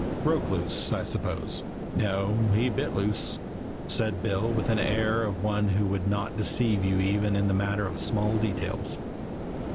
"Broke loose, I suppose?" I said. "No, he bit loose," said Bill with the air of one who would not deceive you even in a matter of small details.